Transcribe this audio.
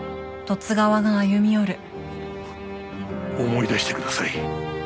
思い出してください。